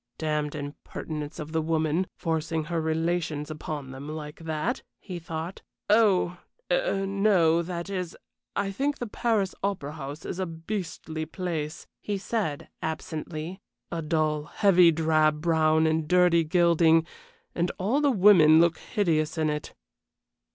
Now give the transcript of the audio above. "Damned impertinence of the woman, forcing her relations upon them like that," he thought. "Oh er no that is, I think the Paris Opera House is a beastly place," he said, absently, "a dull, heavy drab brown and dirty gilding, and all the women look hideous in it."